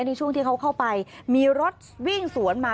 ในช่วงที่เขาเข้าไปมีรถวิ่งสวนมา